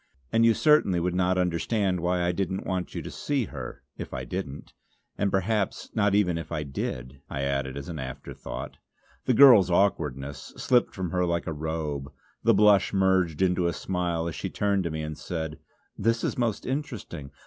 And you certainly would not understand why I didn't want to see her, if I didn't. And perhaps not even if I did," I added as an afterthought. The girl's awkwardness slipped from her like a robe; the blush merged into a smile as she turned to me and said: "This is most interesting.